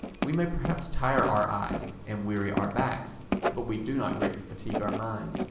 We may perhaps tire our eyes and weary our backs, but we do not greatly fatigue our minds.